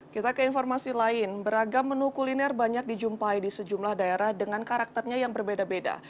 kita ke informasi lain beragam menu kuliner banyak dijumpai di sejumlah daerah dengan karakternya yang berbeda beda